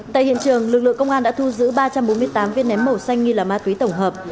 tại hiện trường lực lượng công an đã thu giữ ba trăm bốn mươi tám viên ném màu xanh nghi là ma túy tổng hợp